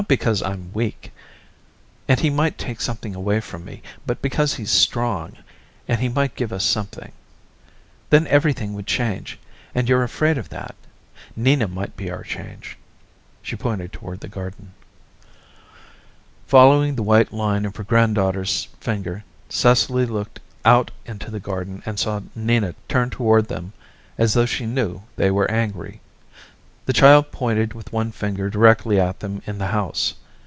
"Not because I'm weak, and he might take something away from me, but because he's strong, and he might give us something. Then everything would change, and you're afraid of that. Nina might be our change." She pointed toward the garden. Following the white line of her granddaughter's finger, Cecily looked out into the garden and saw Nina turn toward them as though she knew they were angry. The child pointed with one finger directly at them in the house.